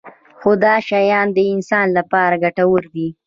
خو دا شیان د انسان لپاره ګټور دي.